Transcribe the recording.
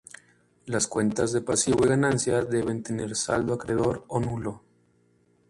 Las cuentas de Pasivo y Ganancia deben tener saldo acreedor o nulo.